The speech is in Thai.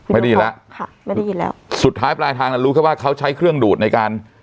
ไม่ได้ยินแล้วสุดท้ายปลายทางนั้นรู้แค่ว่าเขาใช้เครื่องดูดในการ